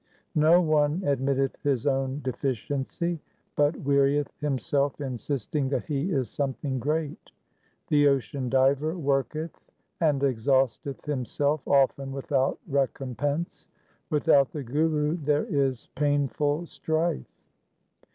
No one admitteth his own deficiency, but wearieth himself insisting that he is something great. The ocean diver worketh and exhausteth himself often without recompense. Without the Guru there is painful strife.